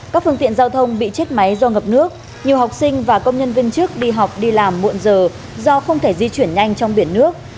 các phương tiện giao thông bị chết máy do ngập nước nhiều học sinh và công nhân viên trước đi học đi làm muộn giờ do không thể di chuyển nhanh trong biển nước